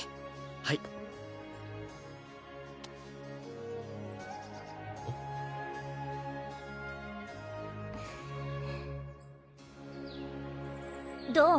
はいどう？